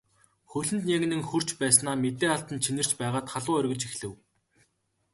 Хөл нь янгинан хөрч байснаа мэдээ алдан чинэрч байгаад халуу оргиж эхлэв.